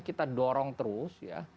kita dorong terus